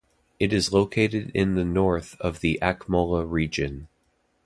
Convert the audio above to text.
It is located in the north of the Akmola Region.